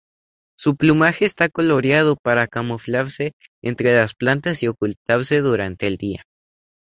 Su plumaje está coloreado para camuflarse entre las plantas y ocultarse durante el día.